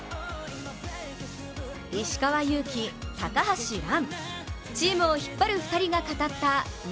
石川祐希、高橋藍。